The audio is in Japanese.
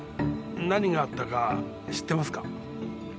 何があったか知ってますか？